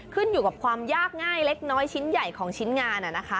ขึ้นอยู่กับความยากง่ายเล็กน้อยชิ้นใหญ่ของชิ้นงาน